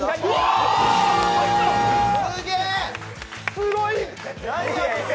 すごい！